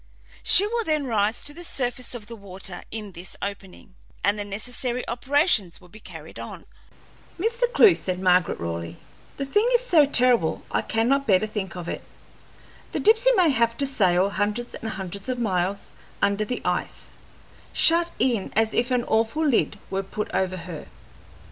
She will then rise to the surface of the water in this opening, and the necessary operations will be carried on." "Mr. Clewe," said Margaret Raleigh, "the thing is so terrible I cannot bear to think of it. The Dipsey may have to sail hundreds and hundreds of miles under the ice, shut in as if an awful lid were put over her.